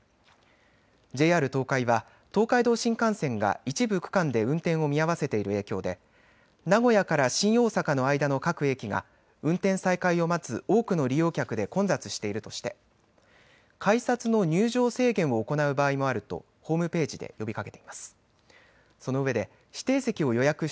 ＪＲ東海は東海道新幹線が一部区間で運転を見合わせている影響で名古屋から新大阪の間の各駅が運転再開を待つ多くの利用客で混雑しているとして改札の入場制限を行う場合もあるとホームページで呼びかけています。